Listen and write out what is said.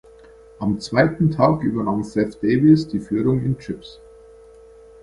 Am zweiten Tag übernahm Seth Davies die Führung in Chips.